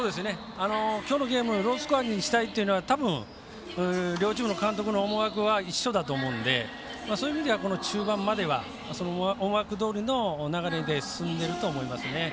きょうのゲームロースコアにしたいというのはたぶん、両チームの監督の思惑は一緒だと思うのでそういう意味では中盤まではその思惑どおりの流れで進んでいると思いますね。